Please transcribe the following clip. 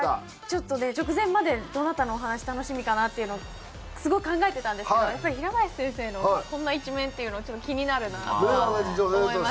ちょっとね直前までどなたのお話楽しみかなっていうのをすごい考えてたんですけどやっぱり平林先生の「こんな一面」っていうのちょっと気になるなとは思いますね。